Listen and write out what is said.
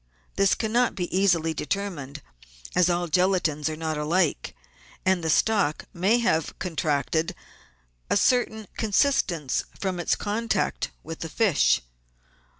This cannot be easily determined, as all gelatines are not alike, and the stock may have contracted a certain consistence from its contact with the fish.